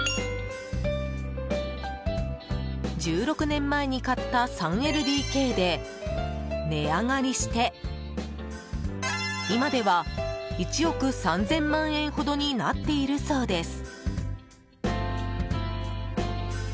１６年前に買った３ＬＤＫで値上がりして今では１億３０００万円ほどまでになっているそうです。